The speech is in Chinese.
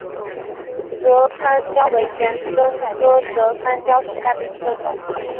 泽番椒为玄参科泽番椒属下的一个种。